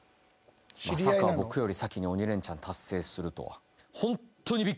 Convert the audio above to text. まさか僕より先に鬼レンチャン達成するとは。